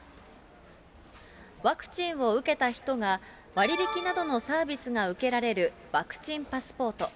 ワクチンを受けた人が、割引などのサービスが受けられるワクチンパスポート。